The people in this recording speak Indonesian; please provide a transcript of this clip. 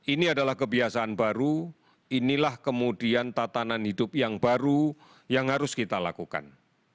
ini adalah kebiasaan baru inilah kemudian tatanan hidup yang baru yang harus kita lakukan